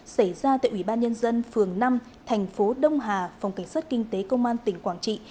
xảy ra tại ủy ban nhân dân phường năm thành phố đông hà phòng cảnh sát kinh tế công an tỉnh quảng trị